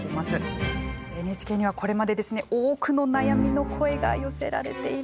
ＮＨＫにはこれまで多くの悩みの声が寄せられているんです。